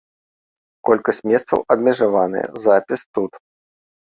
Колькасць месцаў абмежаваная, запіс тут.